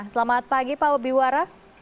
selamat pagi pak biwara